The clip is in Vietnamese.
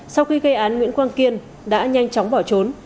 sau khi gây án nguyễn quang kiên đã nhanh chóng bỏ trốn